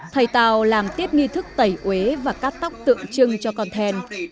thầy tào làm tiếp nghi thức tẩy uế và cắt tóc tượng trưng cho con then